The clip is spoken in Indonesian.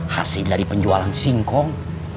hasil dari penjualan singkong